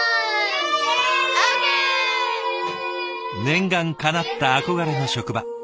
念願かなった憧れの職場。